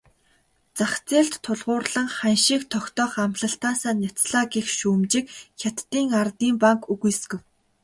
Зах зээлд тулгуурлан ханшийг тогтоох амлалтаасаа няцлаа гэх шүүмжийг Хятадын ардын банк үгүйсгэв.